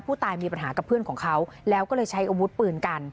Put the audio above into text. ผู้ตายมีปัญหากับเพื่อนของเขาแล้วก็เลยใช้อาวุธปืนกัน